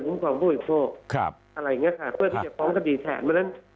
ภูมิความผู้บริโภคครับอะไรเงี้ยค่ะเพื่อให้จะฟ้องคดีแทนเพราะฉะนั้น